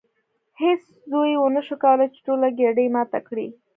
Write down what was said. هیڅ زوی ونشو کولی چې ټوله ګېډۍ ماته کړي.